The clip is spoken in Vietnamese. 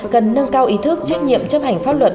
cần nâng cao ý thức trách nhiệm chấp hành pháp luật